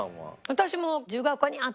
私も。